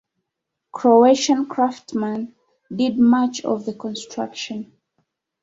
Croatian craftsman did much of the construction.